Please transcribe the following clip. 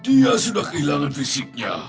ia sudah kehilangan fisiknya